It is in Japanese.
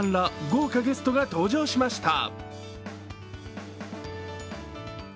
豪華ゲストが登場しました。